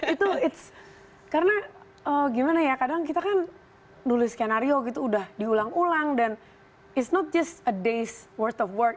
itu it's karena gimana ya kadang kita kan nulis skenario gitu udah diulang ulang dan it's not just a day's worth of work